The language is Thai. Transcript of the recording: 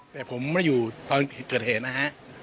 แต่ผมไม่ได้อยู่ตอนเกิดเหตุนะฮะ